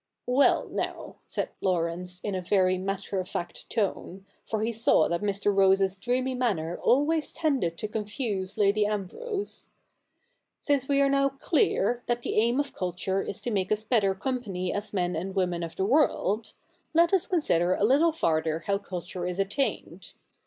' Well, now,' said Laurence, in a very matter of fact ine, for he saw that ^Ir. Rose's dreamy manner always .ended to confuse Lady Ambrose, ' since we are now clear that the aim of culture is to make us better com pany as men and women of the world, let us consider a little farther how culture is attained.